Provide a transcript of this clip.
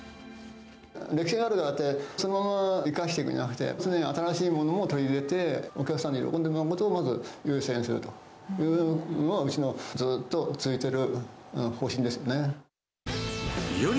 歴史があるからって、そのまま生かしていくんじゃなくて、常に新しいものを取り入れて、お客さんに喜んでもらうことをまず優先するというのが、うちのずっと続いてる方針ですよね。